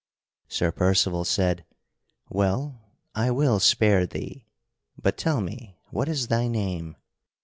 Sir Percival said: "Well, I will spare thee, but tell me, what is thy name?"